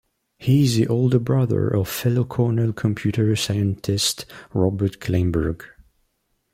He is the older brother of fellow Cornell computer scientist Robert Kleinberg.